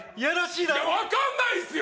いや分かんないっすよ